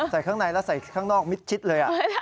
ใส่ข้างในแล้วใส่ข้างนอกมิดชิดเลย